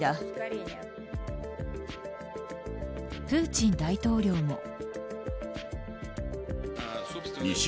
プーチン大統領も。